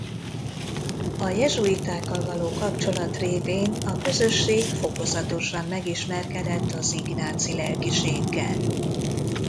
A jezsuitákkal való kapcsolat révén a közösség fokozatosan megismerkedett az ignáci lelkiséggel.